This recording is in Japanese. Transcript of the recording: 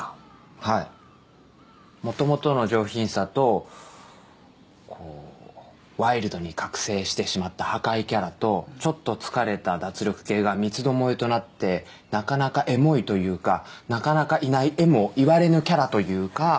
はいもともとの上品さとこうワイルドに覚醒してしまった破壊キャラとちょっと疲れた脱力系が三つどもえとなってなかなかエモいというかなかなかいないえも言われぬキャラというか